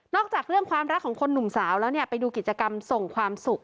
จากเรื่องความรักของคนหนุ่มสาวแล้วเนี่ยไปดูกิจกรรมส่งความสุข